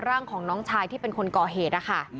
ร่างของน้องชายที่เป็นคนก่อเหตุนะคะ